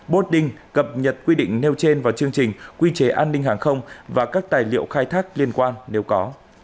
boarding cập nhật quy định nêu trên vào chương trình quy chế an ninh hàng không và các tài liệu khai thác liên quan nếu có